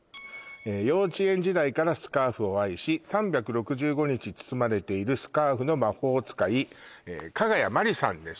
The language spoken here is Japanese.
幼稚園時代からスカーフを愛し３６５日包まれているスカーフの魔法使い加賀谷真理さんです